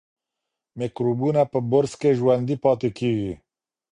میکروبونه په برس کې ژوندي پاتې کېږي.